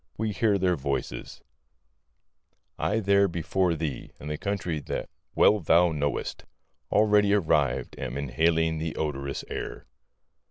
We hear their voices I there before thee, in the country that well thou knowest, Already arrived am inhaling the odorous air.